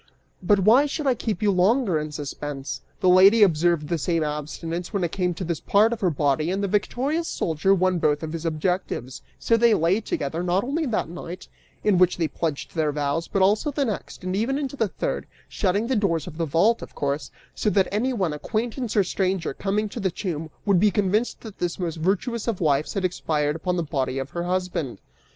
"But why should I keep you longer in suspense? The lady observed the same abstinence when it came to this part of her body, and the victorious soldier won both of his objectives; so they lay together, not only that night, in which they pledged their vows, but also the next, and even the third, shutting the doors of the vault, of course, so that anyone, acquaintance or stranger, coming to the tomb, would be convinced that this most virtuous of wives had expired upon the body of her husband.